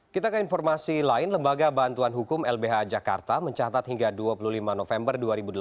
kita ke informasi lain lembaga bantuan hukum lbh jakarta mencatat hingga dua puluh lima november dua ribu delapan belas